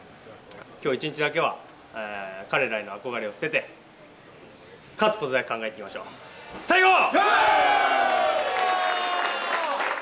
今日１日だけは彼らへの憧れを捨てて勝つことだけ考えていきましょうさあ行こう！